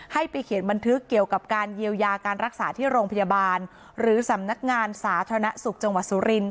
ให้ไปเขียนบันทึกเกี่ยวกับการเยียวยาการรักษาที่โรงพยาบาลหรือสำนักงานสาธารณสุขจังหวัดสุรินท